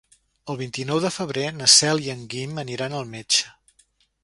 El vint-i-nou de febrer na Cel i en Guim aniran al metge.